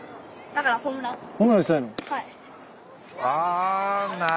あ！